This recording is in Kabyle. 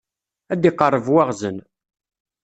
Ad d-iqerreb waɣzen.